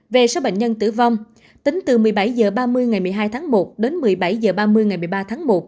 về số bệnh nhân tử vong tính từ một mươi bảy h ba mươi ngày một mươi hai tháng một đến một mươi bảy h ba mươi ngày một mươi ba tháng một